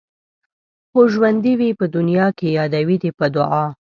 څو ژوندي وي په دنيا کې يادوي دې په دعا